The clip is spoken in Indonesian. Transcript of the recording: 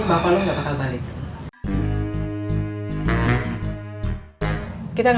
loh tapi nanti